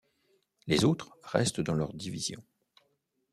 Les autres restent dans leurs divisions.